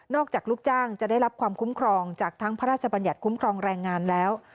อกจากลูกจ้างจะได้รับความคุ้มครองจากทั้งพระราชบัญญัติคุ้มครองแรงงานแล้ว